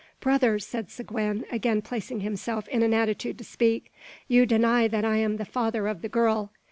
"Brothers!" said Seguin, again placing himself in an attitude to speak, "you deny that I am the father of the girl.